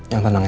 yang tenang ya